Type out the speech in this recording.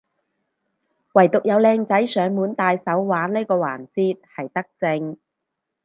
惟獨有靚仔上門戴手環呢個環節係德政